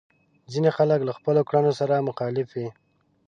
ځينې خلک له خپلو کړنو سره مخالف وي.